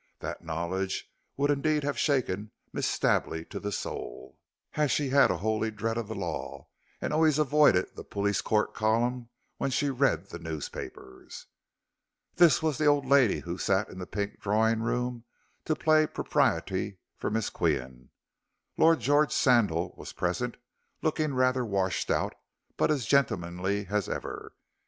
That knowledge would indeed have shaken Miss Stably to the soul, as she had a holy dread of the law, and always avoided the police court column when she read the newspapers. This was the old lady who sat in the pink drawing room to play propriety for Miss Qian. Lord George Sandal was present, looking rather washed out, but as gentlemanly as ever.